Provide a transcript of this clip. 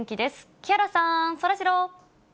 木原さん、そらジロー。